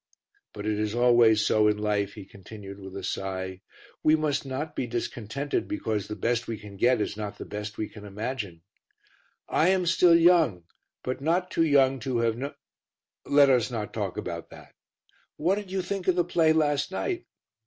"But it is always so in life," he continued, with a sigh, "we must not be discontented because the best we can get is not the best we can imagine. I am still young, but not too young to have kn Let us not talk about that. What did you think of the play last night?"